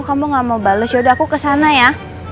kamu gak mau bales yaudah aku kesana ya